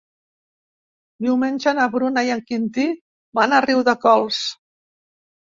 Diumenge na Bruna i en Quintí van a Riudecols.